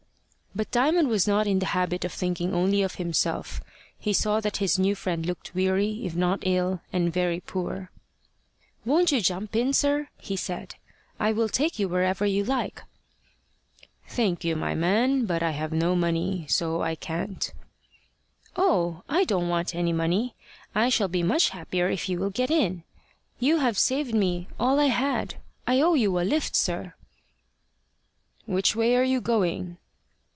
But Diamond was not in the habit of thinking only of himself. He saw that his new friend looked weary, if not ill, and very poor. "Won't you jump in, sir?" he said. "I will take you wherever you like." "Thank you, my man; but I have no money; so I can't." "Oh! I don't want any money. I shall be much happier if you will get in. You have saved me all I had. I owe you a lift, sir." "Which way are you going?"